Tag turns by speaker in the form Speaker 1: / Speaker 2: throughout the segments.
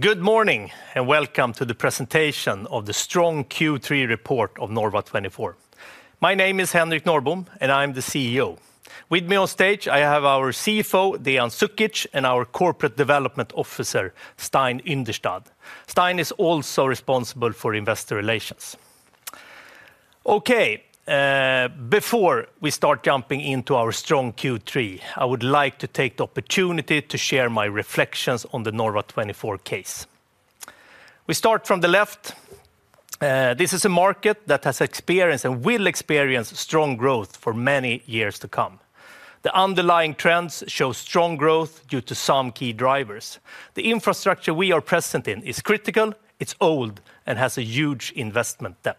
Speaker 1: Good morning, and welcome to the presentation of the strong Q3 report of Norva24. My name is Henrik Norrbom, and I'm the CEO. With me on stage, I have our CFO, Dean Zuzic, and our Corporate Development Officer, Stein Yndestad. Stein is also responsible for investor relations. Okay, before we start jumping into our strong Q3, I would like to take the opportunity to share my reflections on the Norva24 case. We start from the left. This is a market that has experienced and will experience strong growth for many years to come. The underlying trends show strong growth due to some key drivers. The infrastructure we are present in is critical, it's old, and has a huge investment debt.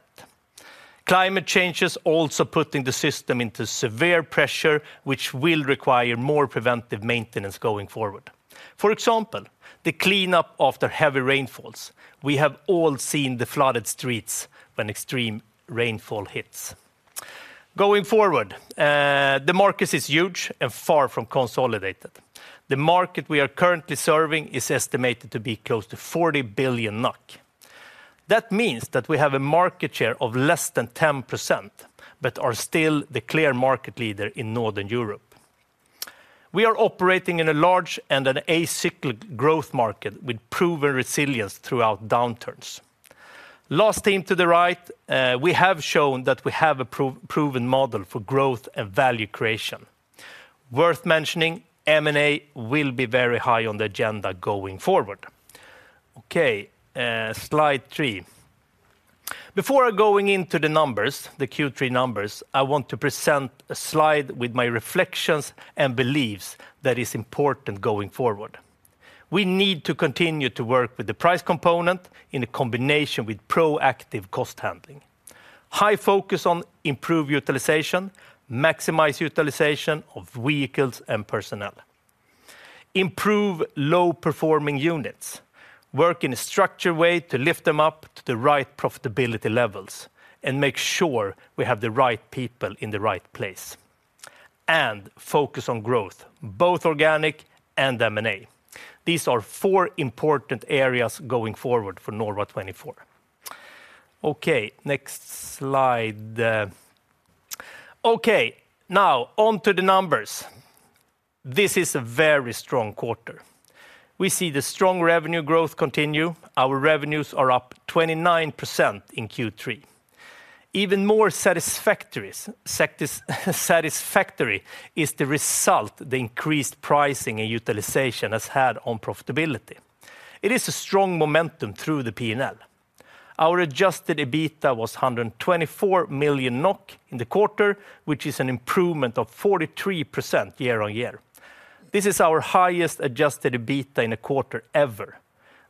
Speaker 1: Climate change is also putting the system into severe pressure, which will require more preventive maintenance going forward. For example, the cleanup after heavy rainfalls. We have all seen the flooded streets when extreme rainfall hits. Going forward, the market is huge and far from consolidated. The market we are currently serving is estimated to be close to 40 billion NOK. That means that we have a market share of less than 10%, but are still the clear market leader in Northern Europe. We are operating in a large and an acyclic growth market with proven resilience throughout downturns. Last theme to the right, we have shown that we have a proven model for growth and value creation. Worth mentioning, M&A will be very high on the agenda going forward. Okay, slide three. Before going into the numbers, the Q3 numbers, I want to present a slide with my reflections and beliefs that is important going forward. We need to continue to work with the price component in a combination with proactive cost handling. High focus on improved utilization, maximize utilization of vehicles and personnel, improve low-performing units, work in a structured way to lift them up to the right profitability levels, and make sure we have the right people in the right place. Focus on growth, both organic and M&A. These are four important areas going forward for Norva24. Okay, next slide. Okay, now, on to the numbers. This is a very strong quarter. We see the strong revenue growth continue. Our revenues are up 29% in Q3. Even more satisfactory is the result the increased pricing and utilization has had on profitability. It is a strong momentum through the P&L. Our adjusted EBITDA was 124 million NOK in the quarter, which is an improvement of 43% year-on-year. This is our highest adjusted EBITDA in a quarter ever.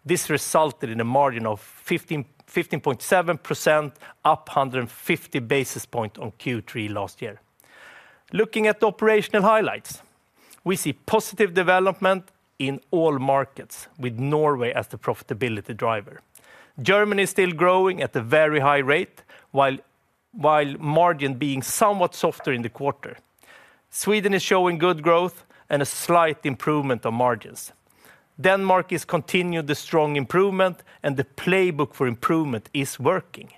Speaker 1: This resulted in a margin of 15.7%, up 150 basis points on Q3 last year. Looking at the operational highlights, we see positive development in all markets, with Norway as the profitability driver. Germany is still growing at a very high rate, while margin being somewhat softer in the quarter. Sweden is showing good growth and a slight improvement on margins. Denmark is continued the strong improvement, and the playbook for improvement is working.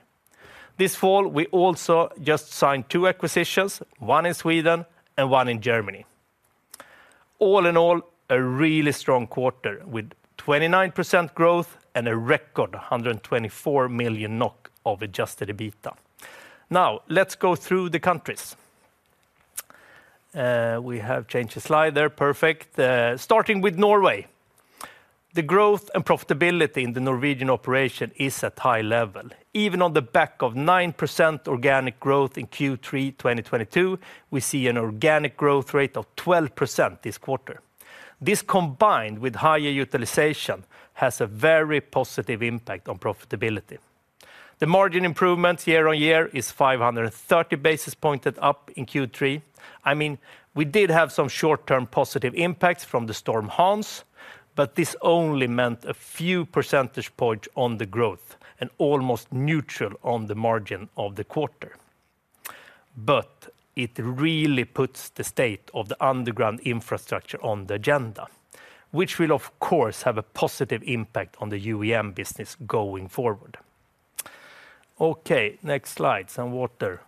Speaker 1: This fall, we also just signed two acquisitions, one in Sweden and one in Germany. All in all, a really strong quarter, with 29% growth and a record 124 million NOK of adjusted EBITDA. Now, let's go through the countries. We have changed the slide there. Perfect. Starting with Norway. The growth and profitability in the Norwegian operation is at high level. Even on the back of 9% organic growth in Q3 2022, we see an organic growth rate of 12% this quarter. This, combined with higher utilization, has a very positive impact on profitability. The margin improvement year-on-year is 530 basis points up in Q3. I mean, we did have some short-term positive impacts from the Storm Hans, but this only meant a few percentage points on the growth and almost neutral on the margin of the quarter. But it really puts the state of the underground infrastructure on the agenda, which will, of course, have a positive impact on the UIM business going forward. Okay, next slide. Some water.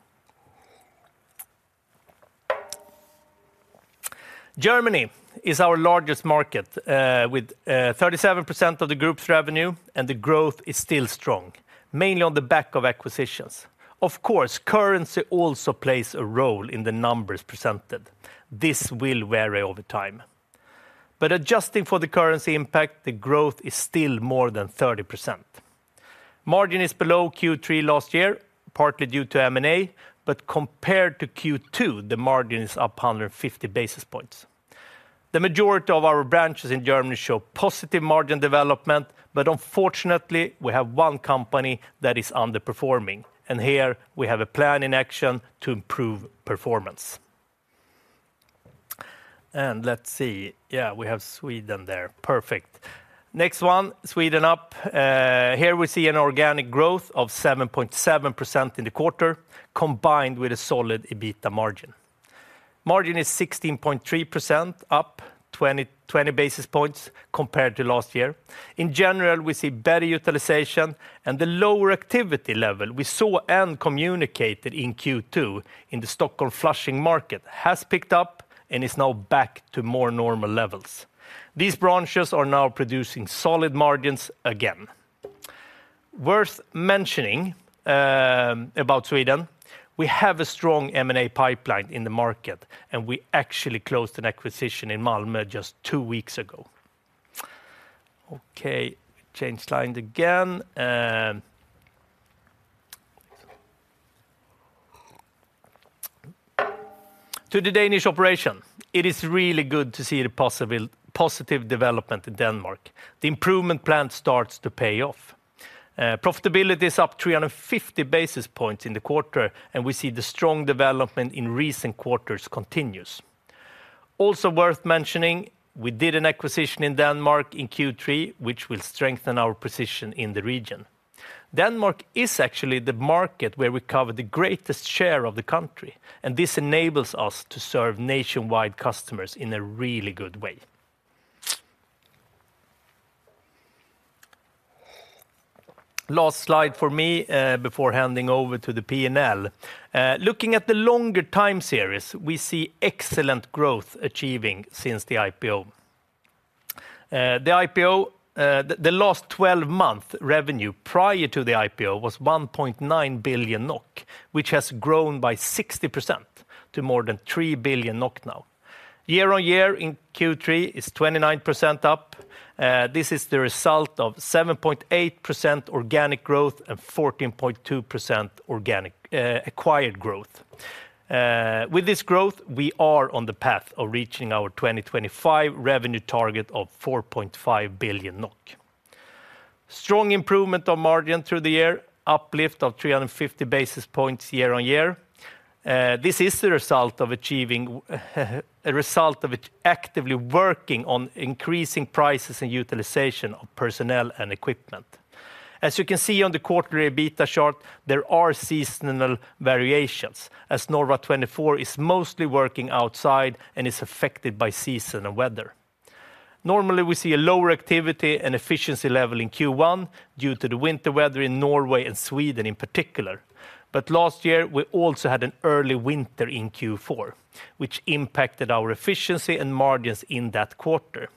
Speaker 1: Germany is our largest market, with 37% of the group's revenue, and the growth is still strong, mainly on the back of acquisitions. Of course, currency also plays a role in the numbers presented. This will vary over time. But adjusting for the currency impact, the growth is still more than 30%. Margin is below Q3 last year, partly due to M&A, but compared to Q2, the margin is up 150 basis points. The majority of our branches in Germany show positive margin development, but unfortunately, we have one company that is underperforming, and here we have a plan in action to improve performance. And let's see. Yeah, we have Sweden there. Perfect. Next one, Sweden up. Here we see an organic growth of 7.7% in the quarter, combined with a solid EBITDA margin. Margin is 16.3%, up 200 basis points compared to last year. In general, we see better utilization and the lower activity level we saw and communicated in Q2 in the Stockholm flushing market has picked up and is now back to more normal levels. These branches are now producing solid margins again. Worth mentioning about Sweden, we have a strong M&A pipeline in the market, and we actually closed an acquisition in Malmö just two weeks ago. Okay, change slide again. To the Danish operation, it is really good to see the positive development in Denmark. The improvement plan starts to pay off. Profitability is up 350 basis points in the quarter, and we see the strong development in recent quarters continues. Also worth mentioning, we did an acquisition in Denmark in Q3, which will strengthen our position in the region. Denmark is actually the market where we cover the greatest share of the country, and this enables us to serve nationwide customers in a really good way. Last slide for me, before handing over to the P&L. Looking at the longer time series, we see excellent growth achieving since the IPO. The IPO, the last twelve-month revenue prior to the IPO was 1.9 billion NOK, which has grown by 60% to more than 3 billion NOK now. Year-on-year in Q3 is 29% up. This is the result of 7.8% organic growth and 14.2% organic, acquired growth. With this growth, we are on the path of reaching our 2025 revenue target of 4.5 billion NOK. Strong improvement of margin through the year, uplift of 350 basis points year-on-year. This is the result of achieving, a result of it actively working on increasing prices and utilization of personnel and equipment. As you can see on the quarterly EBITDA chart, there are seasonal variations, as Norva24 is mostly working outside and is affected by seasonal weather. Normally, we see a lower activity and efficiency level in Q1 due to the winter weather in Norway and Sweden in particular. But last year, we also had an early winter in Q4, which impacted our efficiency and margins in that quarter.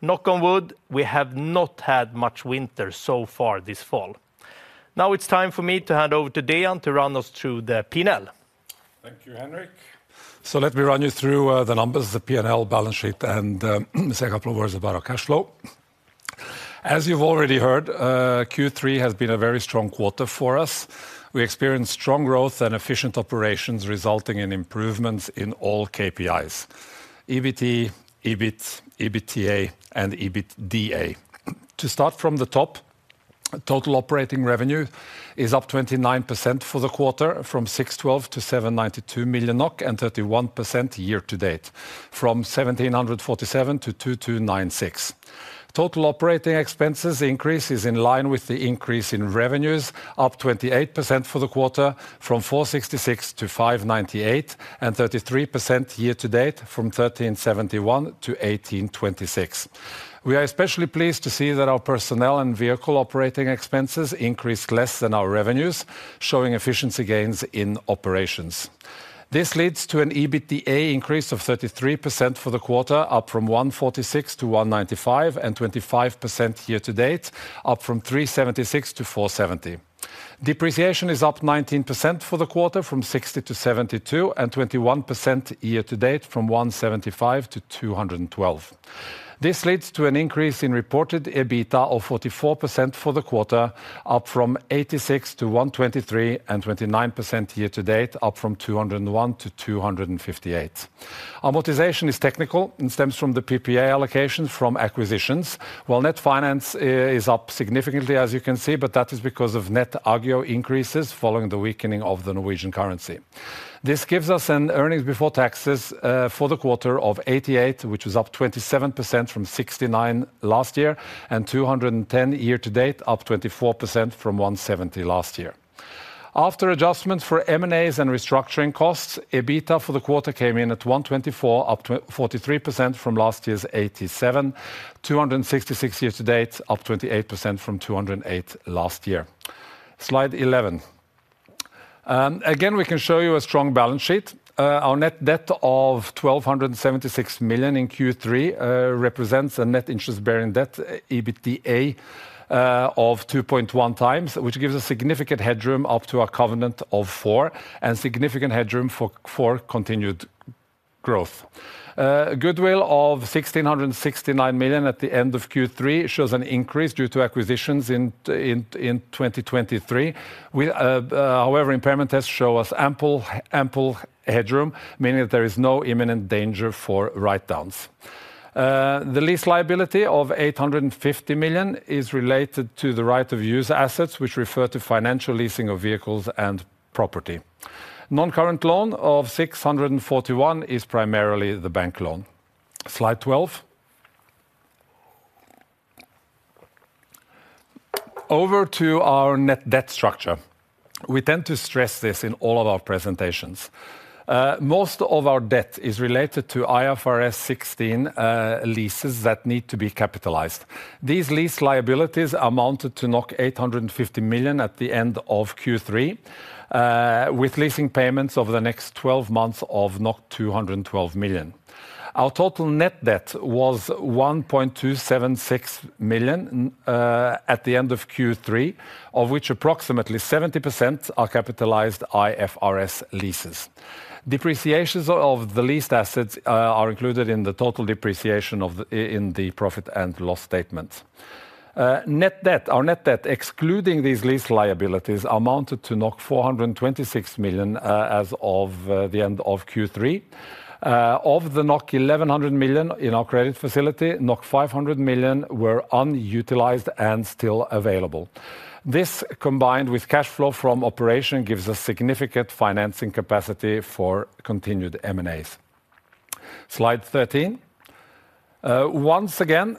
Speaker 1: Knock on wood, we have not had much winter so far this fall. Now it's time for me to hand over to Dean Zuzic to run us through the P&L.
Speaker 2: Thank you, Henrik. Let me run you through the numbers, the P&L balance sheet, and say a couple of words about our cash flow. As you've already heard, Q3 has been a very strong quarter for us. We experienced strong growth and efficient operations, resulting in improvements in all KPIs: EBT, EBIT, EBITA, and EBITDA. To start from the top, total operating revenue is up 29% for the quarter, from 612 million to 792 million NOK, and 31% year to date, from 1,747 million to 2,296 million. Total operating expenses increase is in line with the increase in revenues, up 28% for the quarter, from 466 million to 598 million, and 33% year to date, from 1,371 million to 1,826 million. We are especially pleased to see that our personnel and vehicle operating expenses increase less than our revenues, showing efficiency gains in operations. This leads to an EBITDA increase of 33% for the quarter, up from 146 to 195, and 25% year to date, up from 376 to 470. Depreciation is up 19% for the quarter, from 60 to 72, and 21% year to date, from 175 to 212. This leads to an increase in reported EBITDA of 44% for the quarter, up from 86 to 123, and 29% year to date, up from 201 to 258. Amortization is technical, and stems from the PPA allocations from acquisitions, while net finance is up significantly, as you can see, but that is because of net agio increases following the weakening of the Norwegian currency. This gives us an earnings before taxes for the quarter of 88, which is up 27% from 69 last year, and 210 year to date, up 24% from 170 last year. After adjustments for M&A and restructuring costs, EBITDA for the quarter came in at 124, up 43% from last year's 87. 266 year to date, up 28% from 208 last year. Slide 11. Again, we can show you a strong balance sheet. Our net debt of 1,276 million in Q3 represents a net interest bearing debt, EBITDA, of 2.1 times, which gives a significant headroom up to a covenant of 4, and significant headroom for, for continued growth. Goodwill of 1,669 million at the end of Q3 shows an increase due to acquisitions in 2023. We however, impairment tests show us ample, ample headroom, meaning that there is no imminent danger for writedowns. The lease liability of 850 million is related to the right of use assets, which refer to financial leasing of vehicles and property. Non-current loan of 641 million is primarily the bank loan. Slide 12. Over to our net debt structure. We tend to stress this in all of our presentations. Most of our debt is related to IFRS 16 leases that need to be capitalized. These lease liabilities amounted to 850 million at the end of Q3, with leasing payments over the next twelve months of 212 million. Our total net debt was 1.276 million at the end of Q3, of which approximately 70% are capitalized IFRS 16 leases. Depreciations of the leased assets are included in the total depreciation in the profit and loss statement. Net debt, our net debt, excluding these lease liabilities, amounted to 426 million as of the end of Q3. Of the 1,100 million in our credit facility, 500 million were unutilized and still available. This, combined with cash flow from operation, gives us significant financing capacity for continued M&As. Slide 13. Once again,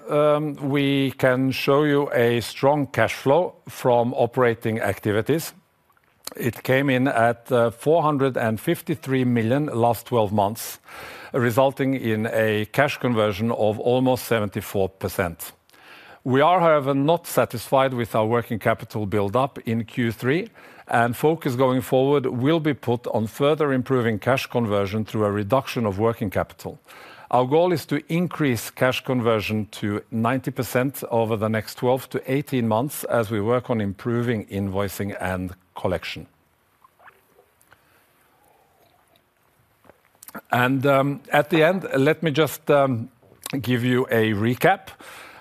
Speaker 2: we can show you a strong cash flow from operating activities. It came in at 453 million last twelve months, resulting in a cash conversion of almost 74%. We are, however, not satisfied with our working capital build-up in Q3, and focus going forward will be put on further improving cash conversion through a reduction of working capital. Our goal is to increase cash conversion to 90% over the next 12-18 months as we work on improving invoicing and collection. At the end, let me just give you a recap.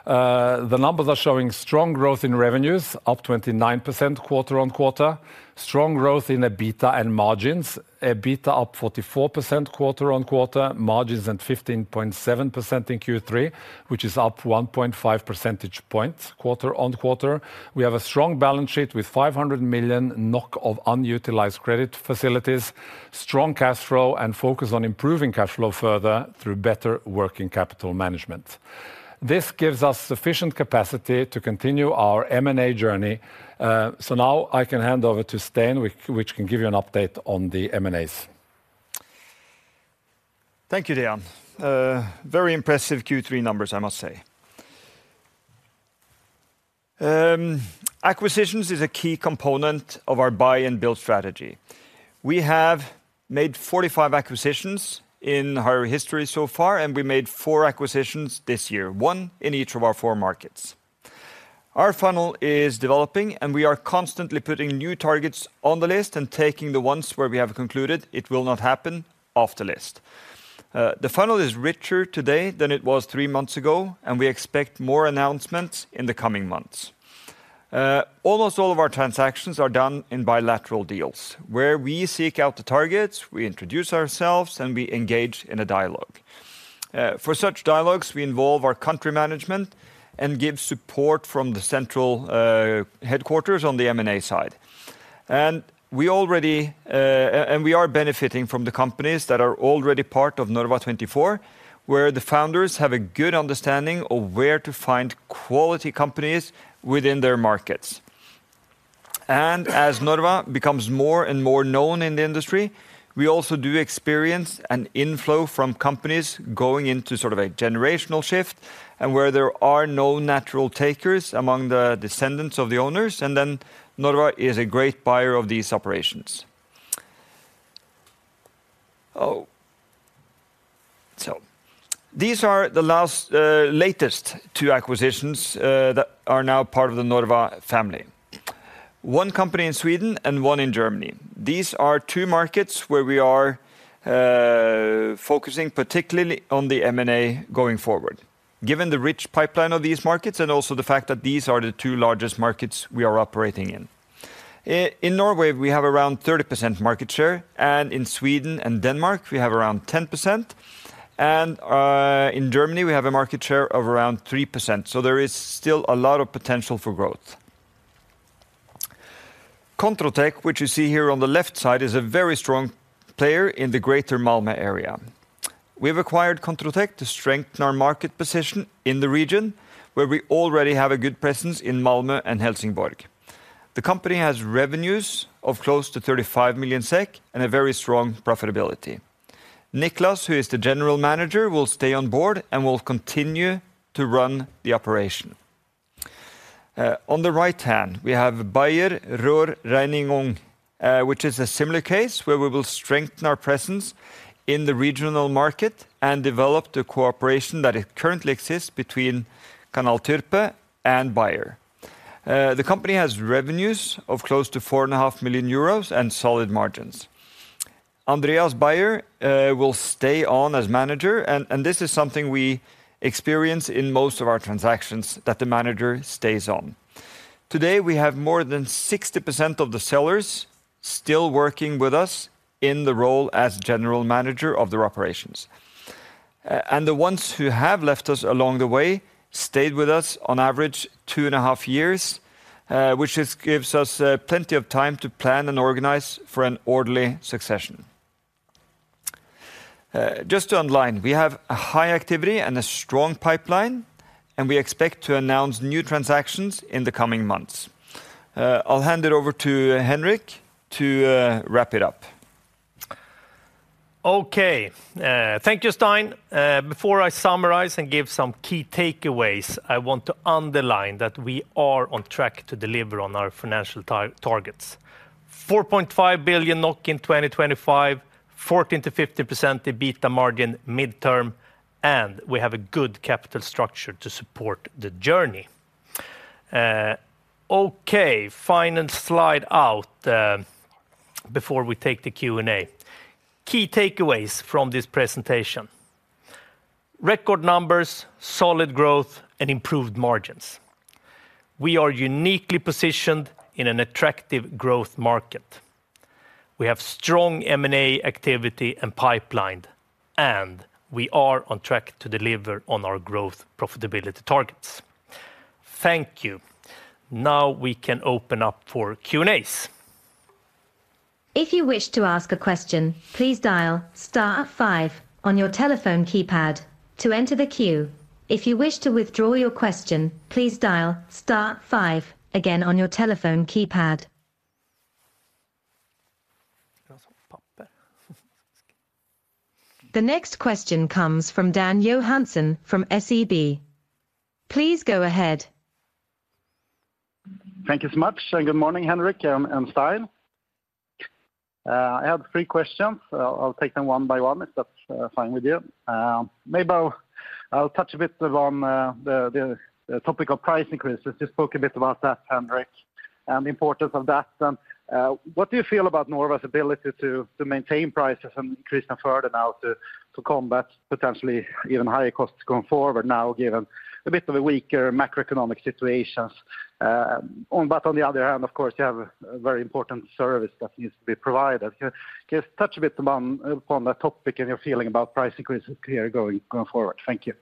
Speaker 2: The numbers are showing strong growth in revenues, up 29% quarter-on-quarter. Strong growth in EBITDA and margins. EBITDA up 44% quarter-on-quarter, margins at 15.7% in Q3, which is up 1.5 percentage points quarter-on-quarter. We have a strong balance sheet with 500 million NOK of unutilized credit facilities, strong cash flow, and focus on improving cash flow further through better working capital management. This gives us sufficient capacity to continue our M&A journey. So now I can hand over to Stein, which can give you an update on the M&As.
Speaker 3: Thank you, Dean. Very impressive Q3 numbers, I must say. Acquisitions is a key component of our buy and build strategy. We have made 45 acquisitions in our history so far, and we made four acquisitions this year, one in each of our four markets. Our funnel is developing, and we are constantly putting new targets on the list and taking the ones where we have concluded it will not happen off the list. The funnel is richer today than it was three months ago, and we expect more announcements in the coming months. Almost all of our transactions are done in bilateral deals, where we seek out the targets, we introduce ourselves, and we engage in a dialogue. For such dialogues, we involve our country management and give support from the central headquarters on the M&A side. And we already... And we are benefiting from the companies that are already part of Norva24, where the founders have a good understanding of where to find quality companies within their markets. And as Norva becomes more and more known in the industry, we also do experience an inflow from companies going into sort of a generational shift, and where there are no natural takers among the descendants of the owners, and then Norva is a great buyer of these operations. Oh, so these are the last, latest two acquisitions, that are now part of the Norva family. One company in Sweden and one in Germany. These are two markets where we are focusing particularly on the M&A going forward, given the rich pipeline of these markets, and also the fact that these are the two largest markets we are operating in. In Norway, we have around 30% market share, and in Sweden and Denmark, we have around 10%, and in Germany, we have a market share of around 3%, so there is still a lot of potential for growth. ControlTech, which you see here on the left side, is a very strong player in the greater Malmö area. We have acquired ControlTech to strengthen our market position in the region, where we already have a good presence in Malmö and Helsingborg. The company has revenues of close to 35 million SEK and a very strong profitability. Niclas, who is the general manager, will stay on board and will continue to run the operation. On the right hand, we have Baier Rohrreinigung, which is a similar case, where we will strengthen our presence in the regional market and develop the cooperation that currently exists between Kanal-Türpe and Baier. The company has revenues of close to 4.5 million euros and solid margins. Andreas Baier will stay on as manager, and this is something we experience in most of our transactions, that the manager stays on. Today, we have more than 60% of the sellers still working with us in the role as general manager of their operations. And the ones who have left us along the way stayed with us on average 2.5 years, which gives us plenty of time to plan and organize for an orderly succession. Just to underline, we have a high activity and a strong pipeline, and we expect to announce new transactions in the coming months. I'll hand it over to Henrik to wrap it up.
Speaker 1: Okay. Thank you, Stein. Before I summarize and give some key takeaways, I want to underline that we are on track to deliver on our financial targets: 4.5 billion NOK in 2025, 14%-50% EBITDA margin midterm, and we have a good capital structure to support the journey. Okay, final slide out, before we take the Q&A. Key takeaways from this presentation: record numbers, solid growth, and improved margins. We are uniquely positioned in an attractive growth market. We have strong M&A activity and pipeline, and we are on track to deliver on our growth profitability targets. Thank you. Now we can open up for Q&As.
Speaker 4: If you wish to ask a question, please dial star five on your telephone keypad to enter the queue. If you wish to withdraw your question, please dial star five again on your telephone keypad. The next question comes from Dan Johansson from SEB. Please go ahead.
Speaker 5: Thank you so much, and good morning, Henrik and Stein. I have three questions. I'll take them one by one, if that's fine with you. Maybe I'll touch a bit on the topic of price increases. Just spoke a bit about that, Henrik, and the importance of that. What do you feel about Norva's ability to maintain prices and increase them further now to combat potentially even higher costs going forward now, given a bit of a weaker macroeconomic situations? But on the other hand, of course, you have a very important service that needs to be provided. Can you just touch a bit upon that topic and your feeling about price increase here going forward? Thank you.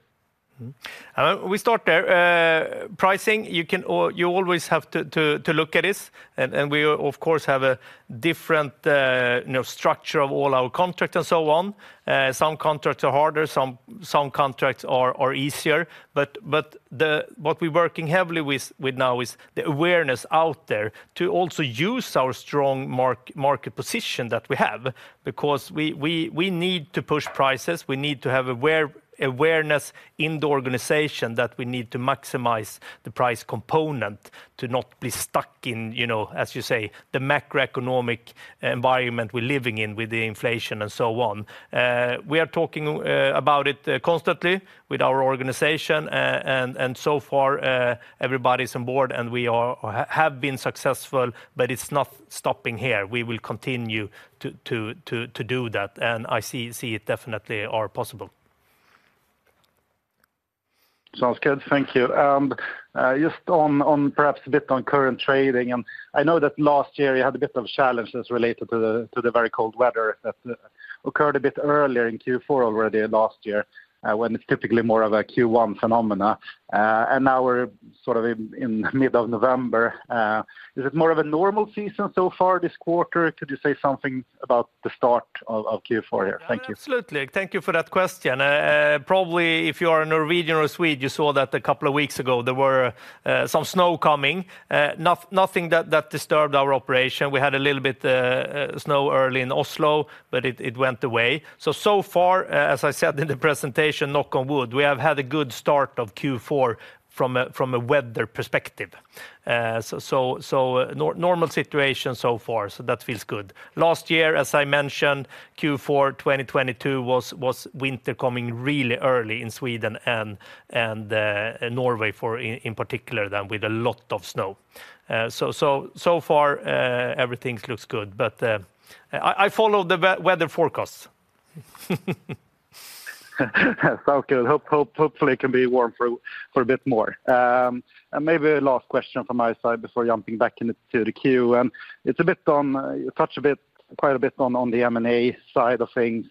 Speaker 1: Mm-hmm. We start there. Pricing, you can always have to, to, to look at this, and, and we, of course, have a different, you know, structure of all our contracts and so on. Some contracts are harder, some, some contracts are, are easier. But, but the, what we're working heavily with, with now is the awareness out there to also use our strong market position that we have, because we, we, we need to push prices. We need to have awareness in the organization that we need to maximize the price component to not be stuck in, you know, as you say, the macroeconomic environment we're living in with the inflation and so on. We are talking about it constantly with our organization, and so far, everybody's on board, and we are have been successful, but it's not stopping here. We will continue to do that, and I see it definitely are possible.
Speaker 5: Sounds good. Thank you. And just on perhaps a bit on current trading, I know that last year you had a bit of challenges related to the very cold weather that occurred a bit earlier in Q4 already last year, when it's typically more of a Q1 phenomena. And now we're sort of in the middle of November. Is it more of a normal season so far this quarter? Could you say something about the start of Q4 here? Thank you.
Speaker 1: Absolutely. Thank you for that question. Probably if you are a Norwegian or a Swede, you saw that a couple of weeks ago, there were some snow coming, nothing that disturbed our operation. We had a little bit snow early in Oslo, but it went away. So far, as I said in the presentation, knock on wood, we have had a good start of Q4 from a weather perspective. So normal situation so far, so that feels good. Last year, as I mentioned, Q4 2022 was winter coming really early in Sweden and Norway in particular than with a lot of snow. So far, everything looks good, but I follow the weather forecasts.
Speaker 5: Okay. Hopefully, it can be warm for a bit more. Maybe a last question from my side before jumping back into the queue, and it's a bit on, you touched a bit, quite a bit on, on the M&A side of things.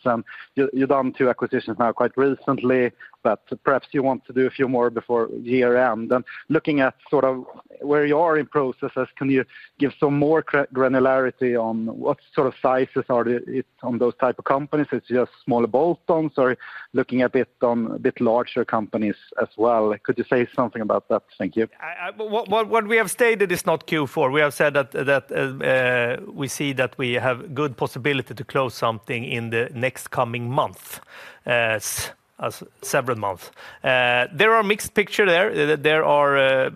Speaker 5: You, you've done two acquisitions now quite recently, but perhaps you want to do a few more before year-end. Looking at sort of where you are in processes, can you give some more granularity on what sort of sizes are the, it, on those type of companies? It's just smaller bolt-ons, or looking a bit on a bit larger companies as well. Could you say something about that? Thank you.
Speaker 1: What we have stated is not Q4. We have said that we see that we have good possibility to close something in the next coming month, several month. There are mixed picture there. There are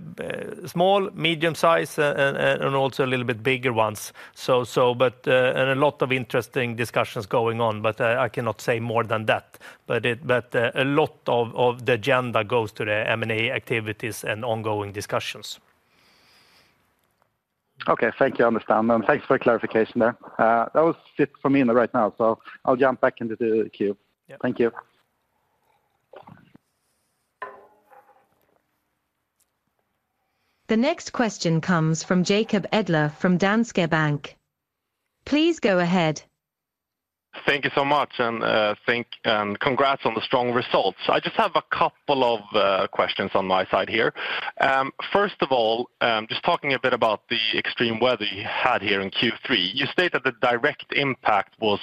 Speaker 1: small, medium size, and also a little bit bigger ones. So, but, and a lot of interesting discussions going on, but I cannot say more than that. But a lot of the agenda goes to the M&A activities and ongoing discussions.
Speaker 5: Okay. Thank you. I understand. And thanks for the clarification there. That was it for me right now, so I'll jump back into the queue.
Speaker 1: Yeah.
Speaker 5: Thank you.
Speaker 4: The next question comes from Jacob Edler from Danske Bank. Please go ahead.
Speaker 6: Thank you so much, and thank and congrats on the strong results. I just have a couple of questions on my side here. First of all, just talking a bit about the extreme weather you had here in Q3, you stated the direct impact was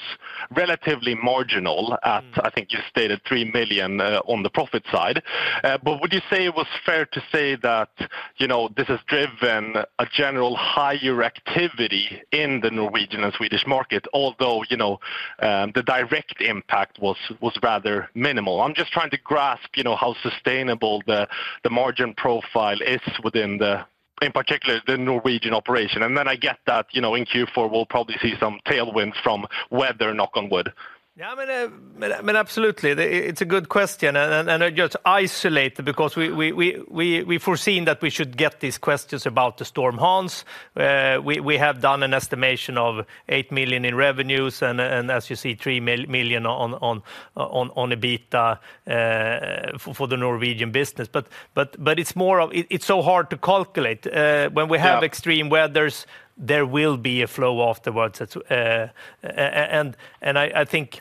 Speaker 6: relatively marginal at, I think you stated 3 million, on the profit side. But would you say it was fair to say that, you know, this has driven a general higher activity in the Norwegian and Swedish market, although, you know, the direct impact was rather minimal? I'm just trying to grasp, you know, how sustainable the margin profile is within the, in particular, the Norwegian operation. And then I get that, you know, in Q4, we'll probably see some tailwinds from weather, knock on wood.
Speaker 1: Yeah, I mean, absolutely. It's a good question, and I just isolate it because we foreseen that we should get these questions about the Storm Hans. We have done an estimation of 8 million in revenues, and as you see, 3 million on EBITDA, for the Norwegian business. But it's more of... It's so hard to calculate.
Speaker 6: Yeah
Speaker 1: when we have extreme weathers, there will be a flow afterwards. That's, and I think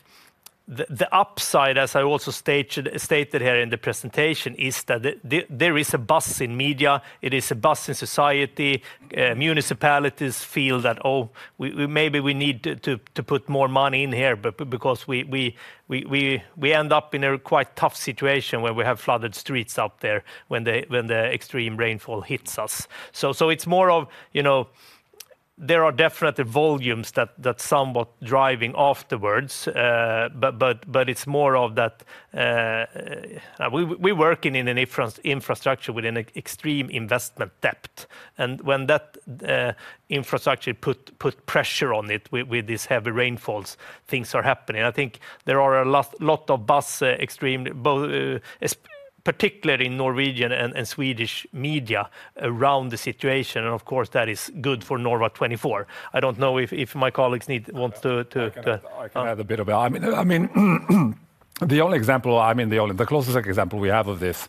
Speaker 1: the upside, as I also stated here in the presentation, is that there is a buzz in media, it is a buzz in society. Municipalities feel that, "Oh, we maybe we need to put more money in here, but because we end up in a quite tough situation where we have flooded streets out there when the extreme rainfall hits us." So it's more of, you know, there are definite volumes that somewhat driving afterwards. But it's more of that, we working in an infrastructure with an extreme investment debt. And when that infrastructure put pressure on it with these heavy rainfalls, things are happening. I think there are a lot, lot of buzz, extreme, both, particularly in Norwegian and, and Swedish media around the situation, and of course, that is good for Norva24. I don't know if, if my colleagues need, want to, to-
Speaker 2: I can add a bit of it. I mean, the closest example we have of this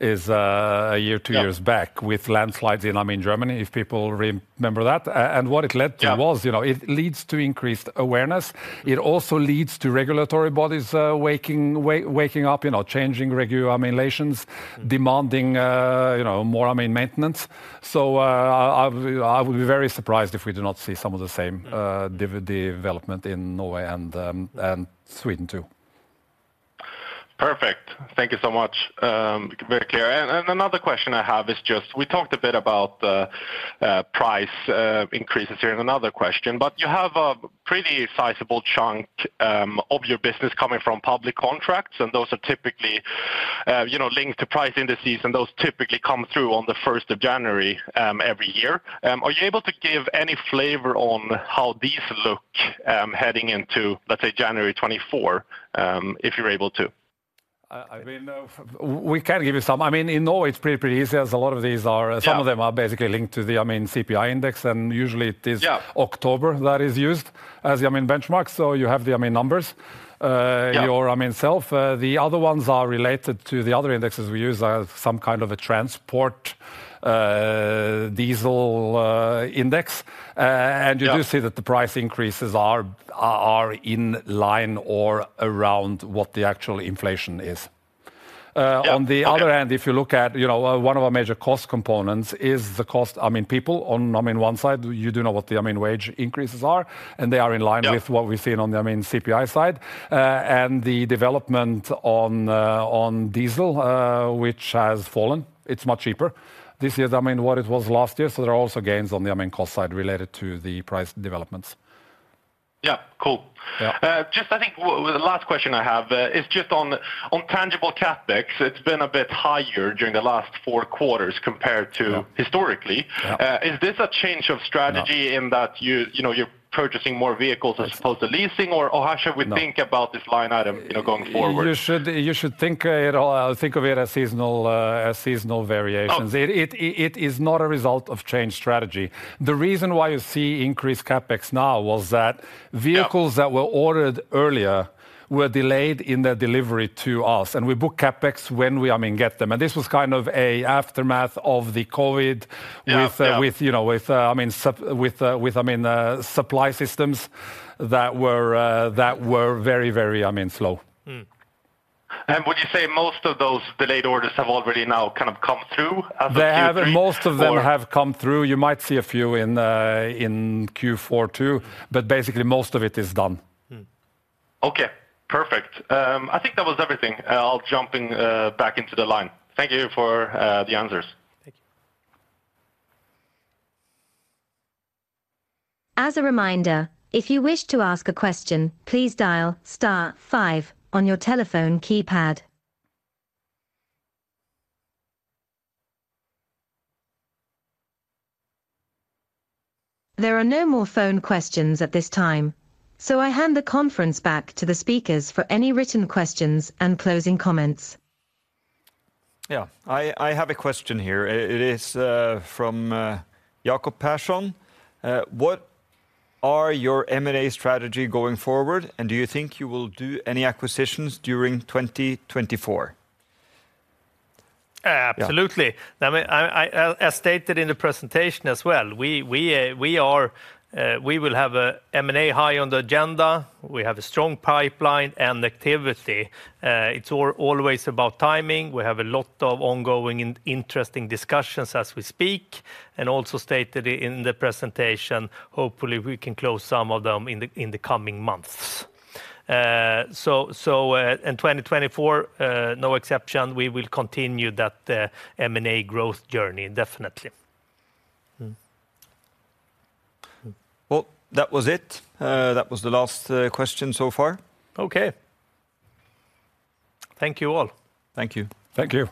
Speaker 2: is a year, two years back-
Speaker 1: Yeah
Speaker 2: with landslides in, I mean, Germany, if people remember that. And what it led to was-
Speaker 6: Yeah
Speaker 2: you know, it leads to increased awareness. It also leads to regulatory bodies waking up, you know, changing regular regulations, demanding you know, more, I mean, maintenance. So, I would be very surprised if we do not see some of the same development in Norway and, and Sweden, too.
Speaker 6: Perfect. Thank you so much, very clear. And another question I have is just... We talked a bit about the, price, increases here in another question, but you have a pretty sizable chunk, of your business coming from public contracts, and those are typically, you know, linked to price indices, and those typically come through on the 1st of January, every year. Are you able to give any flavor on how these look, heading into, let's say, January 2024, if you're able to?
Speaker 2: I mean, we can give you some. I mean, in all, it's pretty, pretty easy, as a lot of these are-
Speaker 6: Yeah
Speaker 2: some of them are basically linked to the, I mean, CPI index, and usually it is-
Speaker 6: Yeah
Speaker 2: October that is used as the, I mean, benchmark. So you have the, I mean, numbers.
Speaker 6: Yeah
Speaker 2: In your, I mean, self. The other ones are related to the other indexes we use, some kind of a transport, diesel, index. And-
Speaker 6: Yeah
Speaker 2: you do see that the price increases are in line or around what the actual inflation is.
Speaker 6: Yeah, okay.
Speaker 2: On the other hand, if you look at, you know, one of our major cost components is the cost, I mean, people on, I mean, one side, you do know what the, I mean, wage increases are, and they are in line with-
Speaker 6: Yeah
Speaker 2: what we've seen on the, I mean, CPI side. And the development on diesel, which has fallen. It's much cheaper this year than, I mean, what it was last year, so there are also gains on the, I mean, cost side related to the price developments.
Speaker 6: Yeah. Cool.
Speaker 2: Yeah.
Speaker 6: Just, I think the last question I have is just on, on tangible CapEx. It's been a bit higher during the last four quarters compared to-
Speaker 2: Yeah historically. Yeah.
Speaker 6: Is this a change of strategy?
Speaker 2: No
Speaker 6: ...in that you, you know, you're purchasing more vehicles as opposed to leasing?
Speaker 2: No.
Speaker 6: Or, or how should we think about this line item, you know, going forward?
Speaker 2: You should think of it as seasonal variations.
Speaker 6: Oh.
Speaker 2: It is not a result of changed strategy. The reason why you see increased CapEx now was that-
Speaker 6: Yeah...
Speaker 2: vehicles that were ordered earlier were delayed in their delivery to us, and we book CapEx when we, I mean, get them. This was kind of a aftermath of the COVID-
Speaker 6: Yeah, yeah...
Speaker 2: with, you know, I mean, supply systems that were very, very, I mean, slow.
Speaker 6: Would you say most of those delayed orders have already now kind of come through as of Q3?
Speaker 2: They have.
Speaker 6: Or-
Speaker 2: Most of them have come through. You might see a few in Q4, too, but basically, most of it is done.
Speaker 6: Okay, perfect. I think that was everything. I'm jumping back into the line. Thank you for the answers.
Speaker 1: Thank you.
Speaker 4: As a reminder, if you wish to ask a question, please dial star five on your telephone keypad. There are no more phone questions at this time, so I hand the conference back to the speakers for any written questions and closing comments.
Speaker 3: Yeah. I have a question here. It is from Jacob Persson. "What are your M&A strategy going forward, and do you think you will do any acquisitions during 2024?
Speaker 1: Uh, absolutely.
Speaker 3: Yeah.
Speaker 1: I mean, as stated in the presentation as well, we will have a M&A high on the agenda. We have a strong pipeline and activity. It's always about timing. We have a lot of ongoing and interesting discussions as we speak, and also stated in the presentation, hopefully, we can close some of them in the coming months. In 2024, no exception, we will continue that M&A growth journey, definitely.
Speaker 3: Mm-hmm. Well, that was it. That was the last question so far.
Speaker 1: Okay. Thank you, all.
Speaker 3: Thank you.
Speaker 2: Thank you.